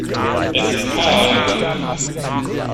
Es ist kalt.